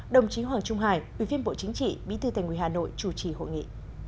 đồng chí hoàng trung hải ubnd bí thư thành quỷ hà nội chủ trì hội nghị